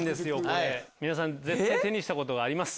皆さん手にしたことがあります。